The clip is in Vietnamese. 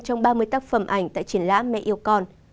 trong ba mươi tác phẩm ảnh tại triển lãm mẹ yêu con